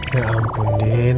ya ampun din